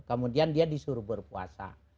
kemudian dia disuruh berpuasa